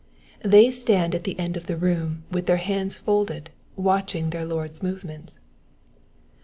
*^ They stand at the end of the room with their hands folded watching their lord^s movements.